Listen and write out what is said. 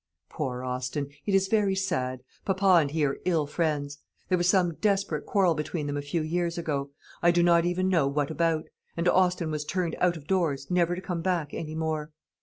"Poor Austin! It is very sad. Papa and he are ill friends. There was some desperate quarrel between them a few years ago; I do not even know what about; and Austin was turned out of doors, never to come back any more.